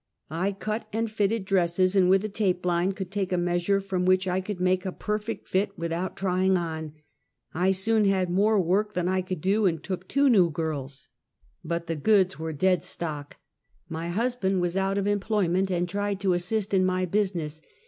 I cut and fitted dresses, and with a tape line could take a measure from which I could make a per fect fit without trying on. I soon had more work than I could do, and took two new girls, but the goods were 64 Half a Centuky. dead stock. My husband was out of emplovment, and tried to assist in my business.